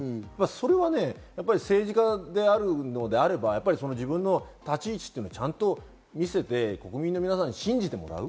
それはね、政治家であるのであれば自分の立ち位置というのをちゃんと見せて、皆さんに信じてもらう。